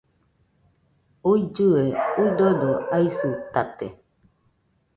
uillɨe, udodo aisɨtate